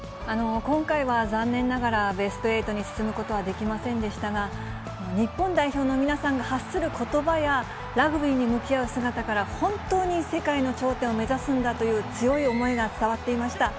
今回は残念ながらベスト８に進むことはできませんでしたが、日本代表の皆さんが発することばや、ラグビーに向き合う姿から、本当に世界の頂点を目指すんだという強い思いが伝わっていました。